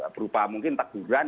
berupa mungkin teguran